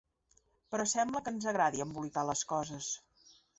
Però sembla que ens agradi embolicar les coses.